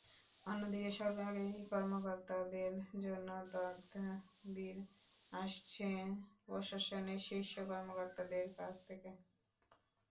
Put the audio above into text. অন্যদিকে সরকারি কর্মকর্তাদের জন্য তদবির আসছে প্রশাসনের শীর্ষ কর্মকর্তাদের কাছ থেকে।